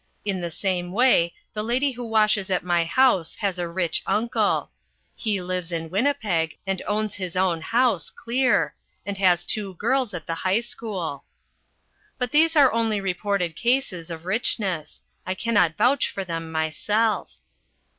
In the same way the lady who washes at my house has a rich uncle. He lives in Winnipeg and owns his own house, clear, and has two girls at the high school. But these are only reported cases of richness. I cannot vouch for them myself.